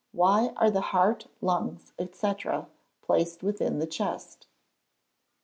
_Why are the heart, lungs, &c., placed within the chest?